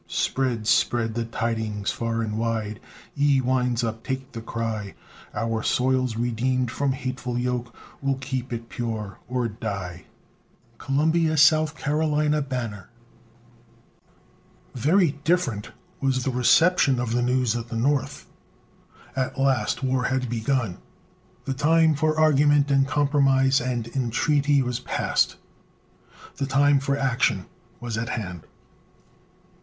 Spread, spread the tidings far and wide, Ye winds take up the cry, "Our soil's redeemed from hateful yoke, We'll keep it pure or die." Columbia, S. C., Banner. Very different was the reception of the news at the North. At last war had begun. The time for argument and compromise and entreaty was past. The time for action was at hand.